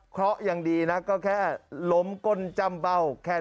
เคาะอย่างดีนะ